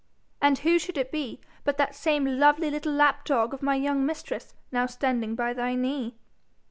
And who should it be but that same lovely little lapdog of my young mistress now standing by thy knee!